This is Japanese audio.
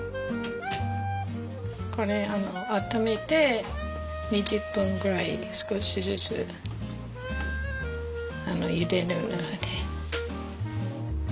これ温めて２０分ぐらい少しずつゆでる。